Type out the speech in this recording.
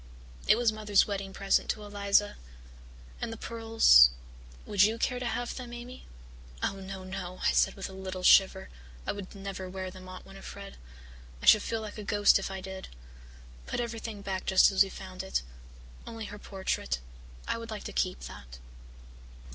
It was Mother's wedding present to Eliza. And the pearls would you care to have them, Amy?" "Oh, no, no," I said with a little shiver. "I would never wear them, Aunt Winnifred. I should feel like a ghost if I did. Put everything back just as we found it only her portrait. I would like to keep that."